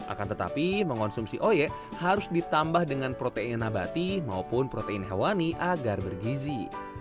akan tetapi mengonsumsi oyek harus ditambah dengan protein abati maupun protein hewani agar bergizi